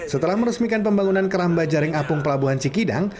setelah meresmikan pembangunan keramba jaring apung pelabuhan cikidang